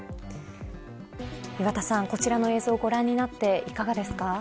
岩田さん、こちらの映像ご覧になっていかがですか。